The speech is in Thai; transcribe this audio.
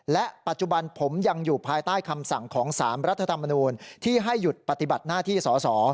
และปัจจุบันผมยังอยู่ภายใต้คำสั่งของ๓รัฐธรรมนูลที่ให้หยุดปฏิบัติหน้าที่สอสอ